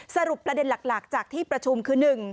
สรุปประเด็นหลักจากที่ประชุมคือ๑